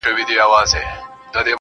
• څوک به نو څه رنګه اقبا وویني_